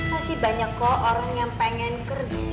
masih banyak kok orang yang pengen kerja di rumah kamu ya